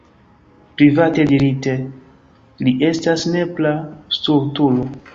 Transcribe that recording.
Private dirite, li estas nepra stultulo.